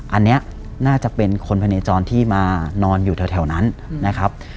อันนี้น่าจะเป็นคนพะเนจรที่มานอนอยู่แถวนั้นนะครับ